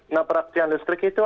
naprak tian listrik itu